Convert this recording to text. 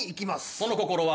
その心は？